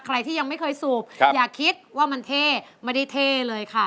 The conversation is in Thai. ใครที่ยังไม่เคยสูบอย่าคิดว่ามันเท่ไม่ได้เท่เลยค่ะ